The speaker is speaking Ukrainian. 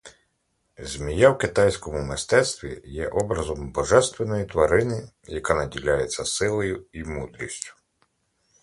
Змія в китайському мистецтві є образом божественної тварини, яка наділяється силою і мудрістю.